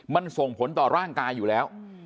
มันส่งผลต่อร่างกายอยู่แล้ว